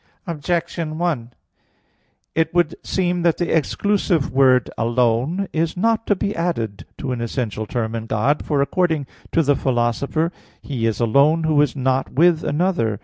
Objection 1: It would seem that the exclusive word "alone" [solus] is not to be added to an essential term in God. For, according to the Philosopher (Elench. ii, 3), "He is alone who is not with another."